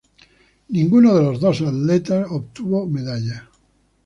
Ningunos de los dos atletas obtuvo medalla.